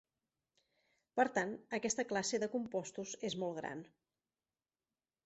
Per tant, aquesta classe de compostos és molt gran.